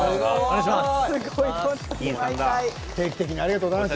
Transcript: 定期的にありがとうございます。